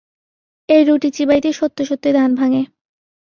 এই রুটি চিবাইতে সত্য সত্যই দাঁত ভাঙে।